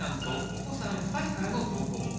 お子さん２人からの投稿。